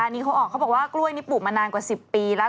นี่เขาออกเขาบอกว่ากล้วยนี่ปลูกมานานกว่า๑๐ปีแล้ว